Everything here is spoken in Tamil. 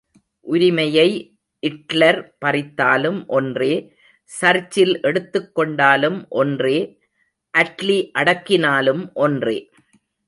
உரிமையை இட்லர் பறித்தாலும் ஒன்றே, சர்ச்சில் எடுத்துக் கொண்டாலும் ஒன்றே, அட்லி அடக்கினாலும் ஒன்றே.